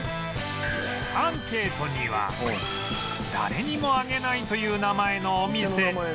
アンケートには「誰にもあげない」という名前のお店